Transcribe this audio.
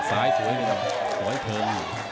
ซ้ายสวยแล้วครับปลอยเซอร์ไม่อยู่